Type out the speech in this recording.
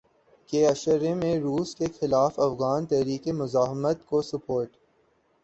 کے عشرے میں روس کے خلاف افغان تحریک مزاحمت کو سپورٹ